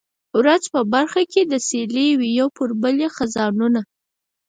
ورځ په برخه د سیلۍ وي یو پر بل یې خزانونه